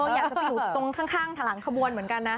อยากจะไปอยู่ตรงข้างถลังขบวนเหมือนกันนะ